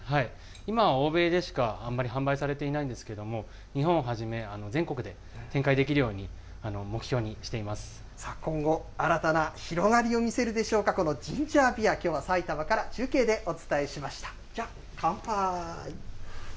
今は欧米でしかあんまり販売されていないんですけれども、日本をはじめ、全国で展開できるように、さあ、今後、新たな広がりを見せるでしょうか、このジンジャービア、きょうはさいたまから中継でお伝えしました。